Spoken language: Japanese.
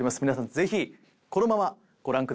ぜひこのままご覧ください。